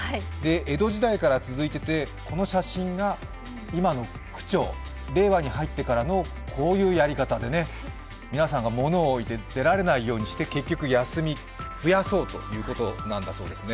江戸時代から続いていて、この写真が今の区長、令和に入ってからも、こういうやり方でね、皆さんか物を置いて出られなくして、結果休みを増やそうということだそうです